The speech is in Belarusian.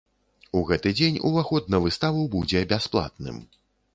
У гэты дзень ўваход на выставу будзе бясплатным.